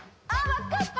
分かった！